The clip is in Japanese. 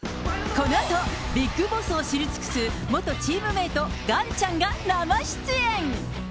このあと、ビッグボスを知り尽くす元チームメート、ガンちゃんが生出演。